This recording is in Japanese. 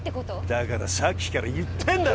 だからさっきから言ってんだろ！